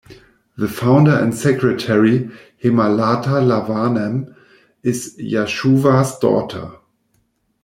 The founder and secretary, Hemalatha Lavanam, is Jashuva's daughter.